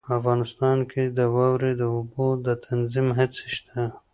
افغانستان کې د واورو د اوبو د تنظیم هڅې شته.